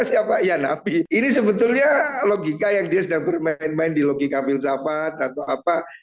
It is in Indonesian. siapa ya nabi ini sebetulnya logika yang dia sedang bermain main di logika filsafat atau apa